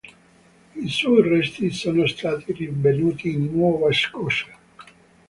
I suoi resti sono stati rinvenuti in Nuova Scozia.